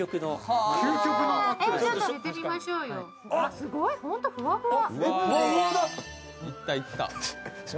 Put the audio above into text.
すごい、ホントふわふわ。